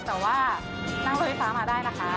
แต่ว่านั่งรถไฟฟ้ามาได้นะคะ